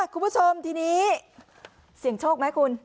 คุณผู้ชมทีนี้เสี่ยงโชคไหมคุณ